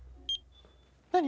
何？